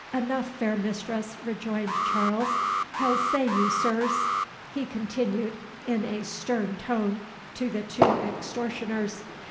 "Enough, fair mistress," rejoined Charles. "How say you, Sirs," he continued, in a stern tone, to the two extortioners.